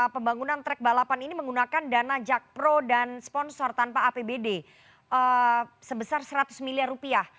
pembangunan track balapan ini menggunakan dana jakpro dan sponsor tanpa apbd sebesar seratus miliar rupiah